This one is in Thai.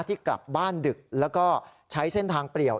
ที่กลับบ้านดึกแล้วก็ใช้เส้นทางเปลี่ยว